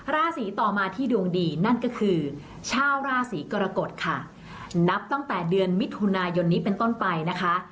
ราศีต่อมาที่ดวงดีนั่นก็คือชาวราศีกรกฎค่ะนับตั้งแต่เดือนมิถุนายนนี้เป็นต้นไปนะคะ